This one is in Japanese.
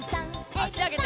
あしあげて。